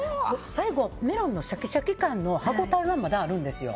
最後、メロンのシャキシャキ感の歯ごたえはまだあるんですよ。